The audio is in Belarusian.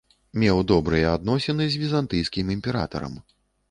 Меў добрыя адносіны з візантыйскім імператарам.